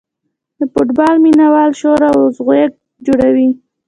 د فوټبال مینه وال شور او ځوږ جوړوي.